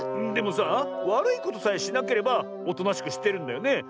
でもさあわるいことさえしなければおとなしくしてるんだよね？